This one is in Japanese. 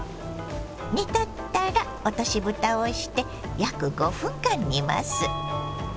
煮立ったら落としぶたをして約５分間煮ます。